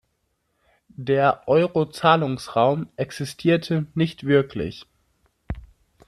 Der Euro-Zahlungsraum existierte nicht wirklich.